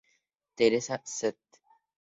Teresa, Sta.